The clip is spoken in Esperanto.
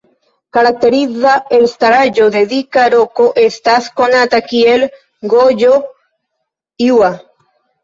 Karakteriza elstaraĵo de dika roko estas konata kiel "Goĵo-iŭa"